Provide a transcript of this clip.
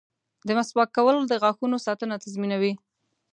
• د مسواک کول د غاښونو ساتنه تضمینوي.